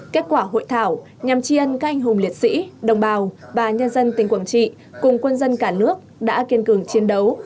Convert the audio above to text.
kết quả hội thảo nhằm tri ân các anh hùng liệt sĩ đồng bào và nhân dân tỉnh quảng trị cùng quân dân cả nước đã kiên cường chiến đấu